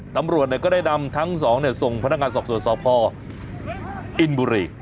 ตำรวจเนี่ยก็ได้นำทั้ง๒เนี่ยส่งพนักงานสอบส่วนสอบพ่ออินบุรี